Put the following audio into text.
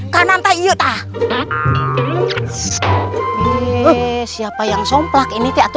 lencang kanan gerak